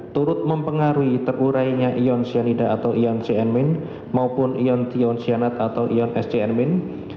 turut mempengaruhi terurai ion cyanida atau ion cyanmin maupun ion cyanate atau ion cyanmin